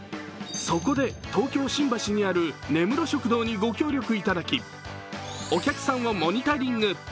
そこで、東京・新橋にある根室食堂にご協力いただき、お客さんをモニタリング。